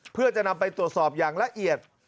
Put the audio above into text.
เพื่อจะนำไปตรวจสอบอย่างละเอียด